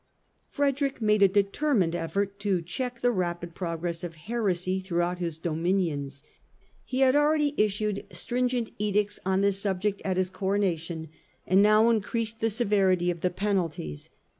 Frederick made a determined effort to check the rapid progress of heresy throughout his dominions. He had already issued stringent edicts on this subject at his ii2 STUPOR MUNDI Coronation and now increased the severity of the penal ties.